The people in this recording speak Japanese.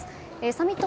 サミット